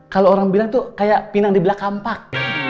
kalau orang bilang itu kayak pinang di belakang pak